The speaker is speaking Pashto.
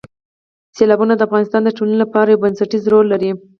سیلابونه د افغانستان د ټولنې لپاره یو بنسټیز رول لري.